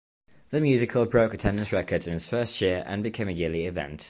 The musical broke attendance records in its first year and became a yearly event.